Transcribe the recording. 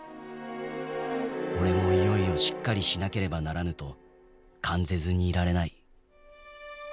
俺も愈々しっかりしなければならぬと感ぜずに居られない」。